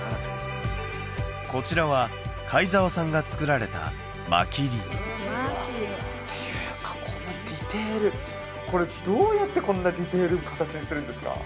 こちらは貝澤さんが作られたマキリこのディテールこれどうやってこんなディテール形にするんですか？